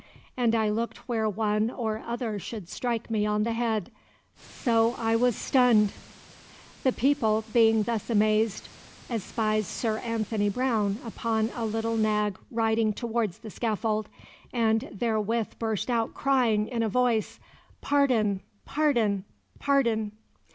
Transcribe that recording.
And I looked where one or other should strike me on the head, so I was stonned [stunned?]. The people being thus amazed, espies Sir Anthony Brown upon a little nag riding towards the scaffold, and therewith burst out crying in a voice, 'Pardon, pardon, pardon!